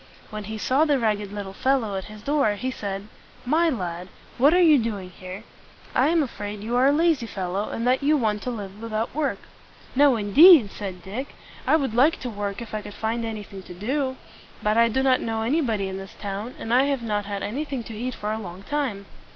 When he saw the ragged little fellow at his door, he said, "My lad, what are you doing here? I am afraid you are a lazy fellow, and that you want to live without work." "No, indeed!" said Dick. "I would like to work, if I could find anything to do. But I do not know anybody in this town, and I have not had anything to eat for a long time."